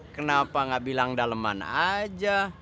kenapa gak bilang daleman aja